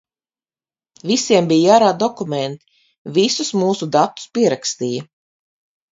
Visiem bija jārāda dokumenti, visus mūsu datus pierakstīja.